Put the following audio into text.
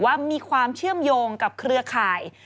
ว่ามีความเชื่อมโยงกับเครือข่าย